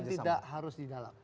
tapi kan tidak harus di dalam